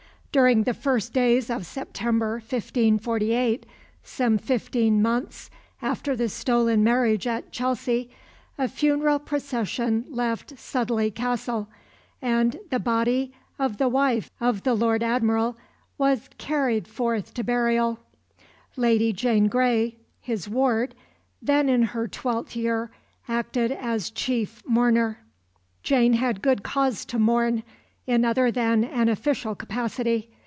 During the first days of September 1548, some fifteen months after the stolen marriage at Chelsea, a funeral procession left Sudeley Castle, and the body of the wife of the Lord Admiral was carried forth to burial, Lady Jane Grey, his ward, then in her twelfth year, acting as chief mourner. Jane had good cause to mourn, in other than an official capacity.